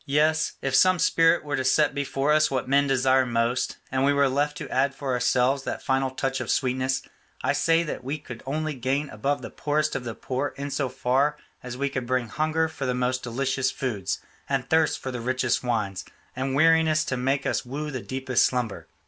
Yes, if some spirit were to set before us what men desire most, and we were left to add for ourselves that final touch of sweetness, I say that we could only gain above the poorest of the poor in so far as we could bring hunger for the most delicious foods, and thirst for the richest wines, and weariness to make us woo the deepest slumber.